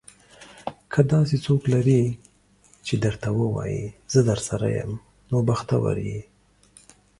که داسې څوک لرې چې درته وايي, زه درسره یم. نو بختور یې.